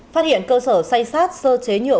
phát hiện cơ sở say sát sơ chế nhựa